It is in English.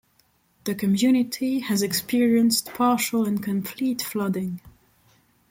The community has experienced partial and complete flooding.